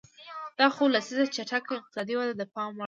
دا څو لسیزې چټکه اقتصادي وده د پام وړ ده.